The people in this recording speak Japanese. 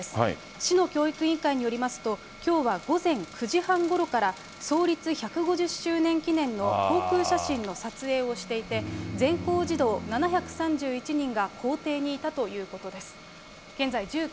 市の教育委員会によりますと、きょうは午前９時半ごろから創立１５０周年記念の航空写真の撮影をしていて、全校児童７３１人が校庭にいたということです。